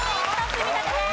積み立てです。